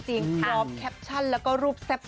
สอบแคปชั่นแล้วก็รูปแซบ